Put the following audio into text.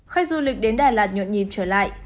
khách du lịch đến đà lạt nhuận nhịp trở lại